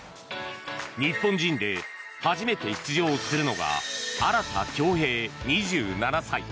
日本人で初めて出場するのが荒田恭兵、２７歳。